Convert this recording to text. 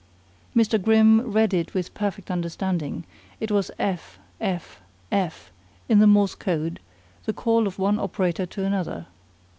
Mr. Grimm read it with perfect understanding; it was "F F F" in the Morse code, the call of one operator to another.